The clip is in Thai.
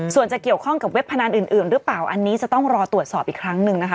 ส่วนจะเกี่ยวข้องกับเว็บพนันอื่นหรือเปล่าอันนี้จะต้องรอตรวจสอบอีกครั้งหนึ่งนะคะ